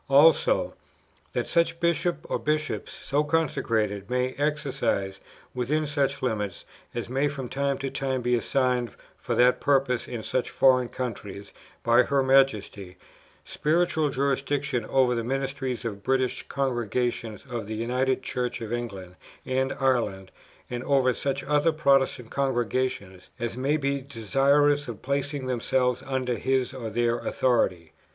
also "that such Bishop or Bishops, so consecrated, may exercise, within such limits, as may from time to time be assigned for that purpose in such foreign countries by her Majesty, spiritual jurisdiction over the ministers of British congregations of the United Church of England and Ireland, and over such other Protestant Congregations, as may be desirous of placing themselves under his or their authority."